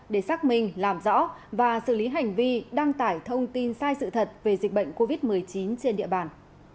để xác minh làm rõ và xử lý hành vi đăng tải thông tin sai sự thật về dịch bệnh covid một mươi chín trên địa bàn